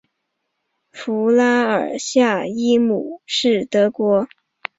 弗拉尔夏伊姆是德国图林根州的一个市镇。